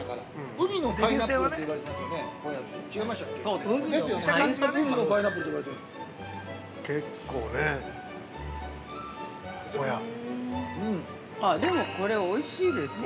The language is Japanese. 海のパイナップルって呼ばれているんですよ。